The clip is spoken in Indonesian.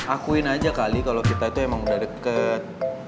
akuin aja kali kalo kita itu emang udah deket